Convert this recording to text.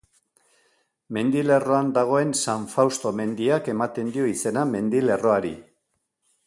Mendilerroan dagoen San Fausto mendiak ematen dio izena mendilerroari.